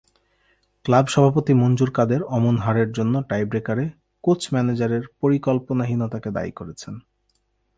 Club সভাপতি মনজুর কাদের অমন হারের জন্য টাইব্রেকারে কোচ-ম্যানেজারের পরিকল্পনাহীনতাকে দায়ী করেছেন।